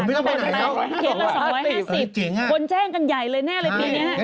แต่อย่างนั้นขึ้นภายใน๒๕๐บริการค่ะคุณแจ้งกันใหญ่เลยแน่เลยบีนี้